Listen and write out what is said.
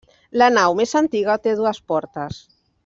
La nau més antiga té dues portes.